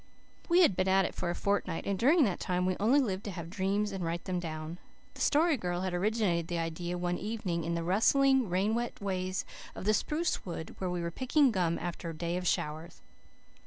We had been at it for a fortnight, and during that time we only lived to have dreams and write them down. The Story Girl had originated the idea one evening in the rustling, rain wet ways of the spruce wood, where we were picking gum after a day of showers.